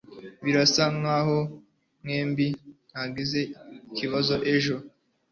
Birasa nkaho mwembi mwagize ikibazo ejo.